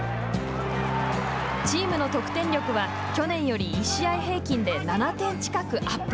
チームの得点力は去年より１試合平均で７点近くアップ。